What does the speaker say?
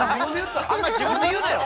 あんまり自分で言うなよ！